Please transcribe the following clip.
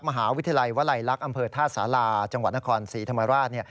มหาวิทยาลัยวลัยลักษณ์อำเภอท่าสาราจังหวัดนครศรีธรรมราช